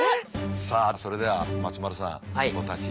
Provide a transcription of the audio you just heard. さあそれでは松丸さん。お立ちいただきます。